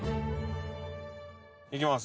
行きます。